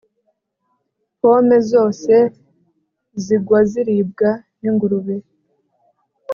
Pome zose zigwa ziribwa ningurube